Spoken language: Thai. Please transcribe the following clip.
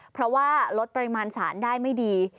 เพราะว่าลดปริมาณสารได้ไม่ดี